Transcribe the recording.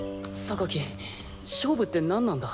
勝負って何なんだ？